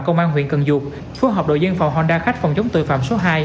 công an huyện cần duột phối hợp đội dân phòng honda khách phòng chống tội phạm số hai